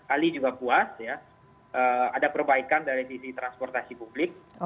ahli juga puas ada perbaikan dari transportasi publik